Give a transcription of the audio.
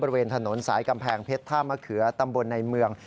บริเวณถนนสายกำแพงเพชรท่ามะเขือตำบลในเมือง